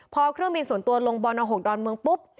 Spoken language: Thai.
พอเครื่องบินส่วนตัวลงบอล๖ดอนเมืองปุ๊บ